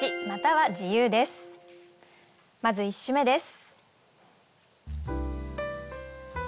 まず１首目です。